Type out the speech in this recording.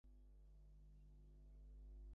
রামমোহনের দৃষ্টি এড়াইতে পারিলে সে ছাড়িত না।